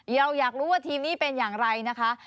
อยากรู้ว่าทีมนี้เป็นอย่างไรนะคะ